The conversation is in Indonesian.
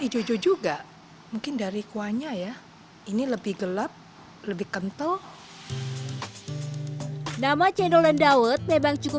jojo juga mungkin dari kuahnya ya ini lebih gelap lebih kental nama cendol dan dawet memang cukup